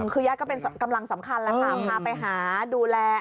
คือย่าก็เป็นกำลังสำคัญนะคะพาไปหาดูแล